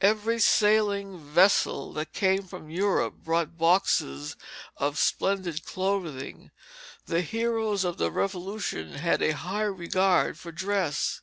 Every sailing vessel that came from Europe brought boxes of splendid clothing. The heroes of the Revolution had a high regard for dress.